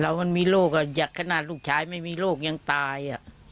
เรามันมีโรคอ่ะอยากขนาดลูกชายไม่มีโรคยังตาย